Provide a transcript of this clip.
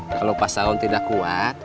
kalau pak saun tidak kuat